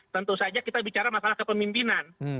tentu saja kita bicara masalah kepemimpinan